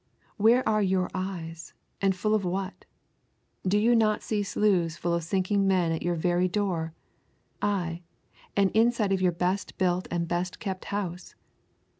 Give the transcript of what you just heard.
Where are your eyes, and full of what? Do you not see sloughs full of sinking men at your very door; ay, and inside of your best built and best kept house?